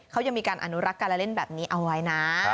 เขายังมีการอนุรักษ์การเล่นแบบนี้เอาไว้นะ